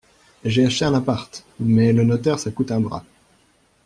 J'ai acheté un appart, mais le notaire ça coûte un bras.